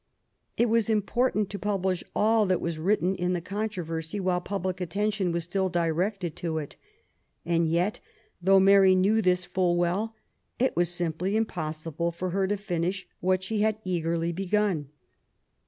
It was important to publish all that was written in the^ controversy while public attention was still directed to it. And yet, though Mary knew this full well, it was simply im possible for her to finish what she had eagerly begun.